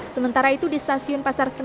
sementara itu di stasiun pasar senen